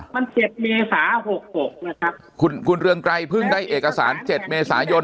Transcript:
มันเจ็ดเมษาหกหกนะครับคุณคุณเรืองไกรเพิ่งได้เอกสาร๗เมษายน